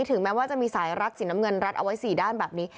ถึงแม้ว่าจะมีสายรัดสีน้ำเงินรัดเอาไว้๔ด้านแบบนี้